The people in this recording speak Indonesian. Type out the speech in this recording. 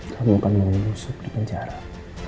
kamu akan menusuk di penjara